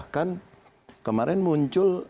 bahkan kemarin muncul